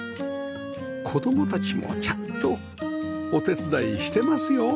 子供たちもちゃんとお手伝いしてますよ！